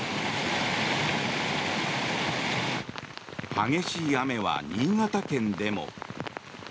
激しい雨は新潟県でも。